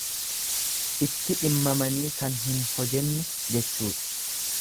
Itti dhimmamanii kan hin hojenne jechuudha.